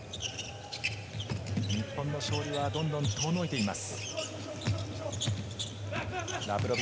日本の勝利はどんどんと遠のいています。